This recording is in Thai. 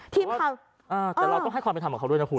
แต่เราต้องให้ความเป็นธรรมกับเขาด้วยนะคุณ